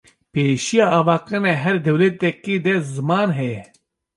pêşiya avakirina her dewletêkî de ziman heye